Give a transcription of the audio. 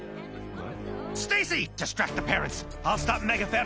あれ？